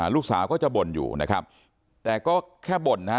ลูกสาวก็จะบ่นอยู่นะครับแต่ก็แค่บ่นนะฮะ